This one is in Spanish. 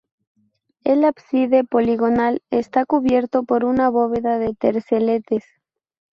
El ábside poligonal está cubierto por una bóveda de terceletes.